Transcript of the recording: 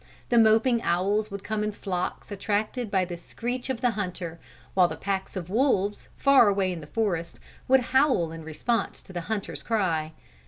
The moping owls would come in flocks attracted by the screech of the hunter, while packs of wolves, far away in the forest, would howl in response to the hunter's cry.